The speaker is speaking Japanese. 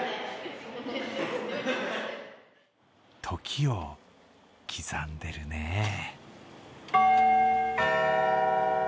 時を刻んでるねぇ。